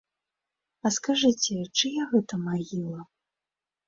А скажыце, чыя гэта магіла?